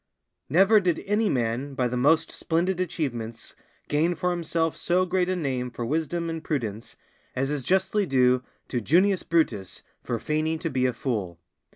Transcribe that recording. _ Never did any man by the most splendid achievements gain for himself so great a name for wisdom and prudence as is justly due to Junius Brutus for feigning to be a fool.